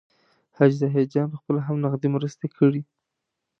حاجي ظاهرجان پخپله هم نغدي مرستې کړي.